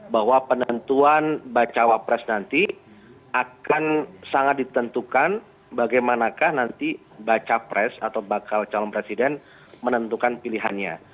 bahwa penentuan bacawa pres nanti akan sangat ditentukan bagaimanakah nanti baca pres atau bakal calon presiden menentukan pilihannya